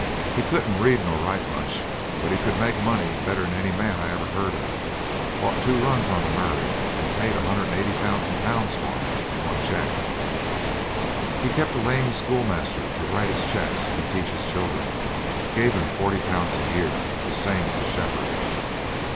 He couldn't read nor write much, but he could make money better'n any man I ever heard of. Bought two runs on the Murray, and paid 180,000 pounds for 'em in one cheque. He kept a lame schoolmaster to write his cheques and teach his children, gave him 40 pounds a year, the same as a shepherd.